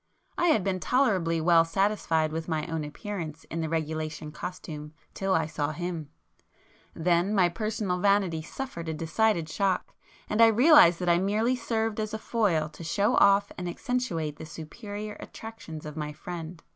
I had been tolerably well satisfied with my own appearance in the regulation costume till I saw him; then my personal vanity suffered a decided shock, and I realized that I merely served as a foil to show off and accentuate the superior attractions of my friend.